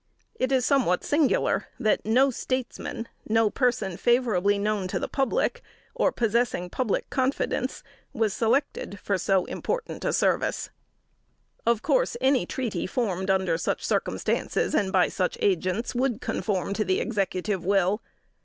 It is somewhat singular that no statesman, no person favorably known to the public, or possessing public confidence, was selected for so important a service. [Sidenote: 1845.] Of course any treaty formed under such circumstances and by such agents would conform to the Executive will.